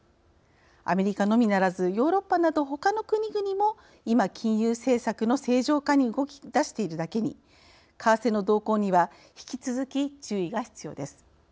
アメリカのみならずヨーロッパなどほかの国々も今金融政策の正常化に動きだしているだけに為替の動向には引き続き注意が必要です。